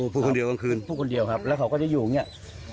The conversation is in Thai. พูดคนเดียวกลางคืนพูดคนเดียวครับแล้วเขาก็จะอยู่อย่างนี้